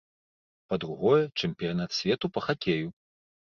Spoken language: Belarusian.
Па-другое, чэмпіянат свету па хакею.